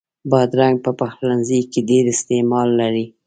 بادرنګ په پخلنځي کې ډېر استعمال لري.